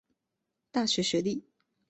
大学学历。